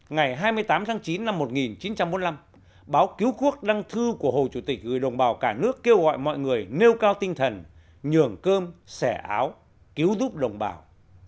ngày hai mươi tám tháng chín năm một nghìn chín trăm bốn mươi năm báo cứu quốc đăng thư của hồ chủ tịch gửi đồng bào cả nước kêu gọi mọi người nêu cao tinh thần nhường cơm sẻ áo cứu giúp đồng bào